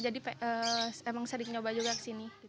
emang sering nyoba juga kesini